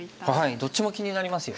どっちも気になりますよね。